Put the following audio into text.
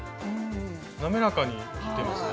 滑らかに切ってますね。